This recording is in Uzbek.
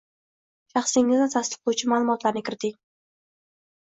Shaxsingizni tasdiqlovchi maʼlumotlarni kiriting.